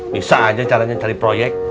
bisa aja caranya cari proyek